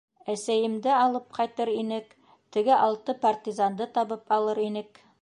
— Әсәйемде алып ҡайтыр инек, теге алты партизанды табып алыр инек.